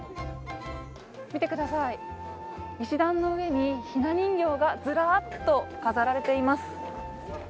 見てください、石段の上にひな人形がずらっと飾られています。